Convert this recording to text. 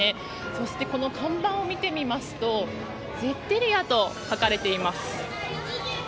そして、看板を見てみますとゼッテリアと書かれています。